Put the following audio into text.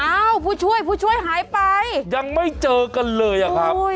ผู้ช่วยผู้ช่วยหายไปยังไม่เจอกันเลยอะครับ